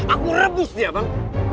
aku rebus dia bang